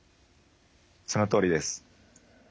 そのとおりです。